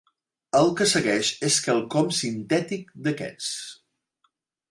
El que segueix és quelcom sintètic d'aquests.